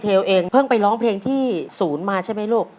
เห็นบอกว่าเองเพิ่งไปร้องเพลงที่ศูนย์มาใช่ไหมลูก